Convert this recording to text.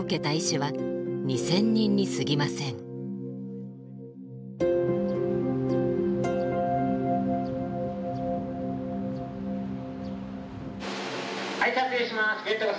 はい撮影します。